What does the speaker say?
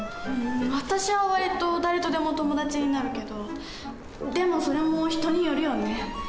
うん私は割と誰とでも友達になるけどでもそれも人によるよね。